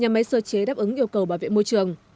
nhà máy sơ chế đáp ứng yêu cầu bảo vệ môi trường